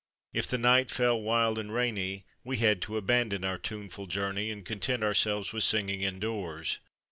If the night fell wild and rainy, we had to abandon our tuneful journey and content ourselves with singing indoors.